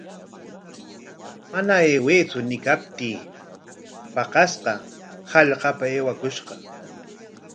Mana aywaytsu ñiykaptii paqaspa hallqapa aywakushqa.